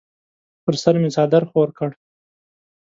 پر سر مې څادر خور کړ.